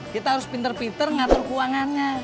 kita harus pinter pinter ngatur keuangannya